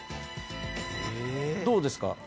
どうですか？